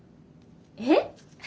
えっ？